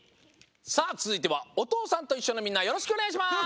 さあつづいては「おとうさんといっしょ」のみんなよろしくおねがいします！